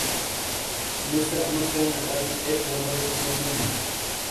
نو سے انو کھینے ڈنگ ایکگہ موڙیک نے تھیوں نے